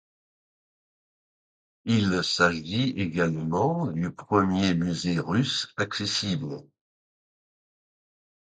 Il s’agit également du premier musée russe accessible.